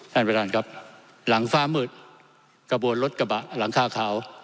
ท่านประธานครับหลังฟ้ามืดกระบวนรถกระบะหลังคาขาว